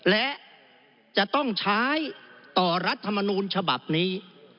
และจะต้องใช้ต่อรัฐมนูลฉบับนี้